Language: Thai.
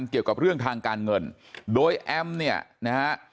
เกี่ยวกับเรื่องทางการเงินโดยแอมเนี่ยนะฮะ